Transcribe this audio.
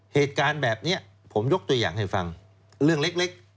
เหตุการณ์แบบนี้ผมยกตัวอย่างให้ฟังเรื่องเล็ก